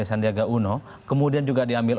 sandiaga uno kemudian juga diambil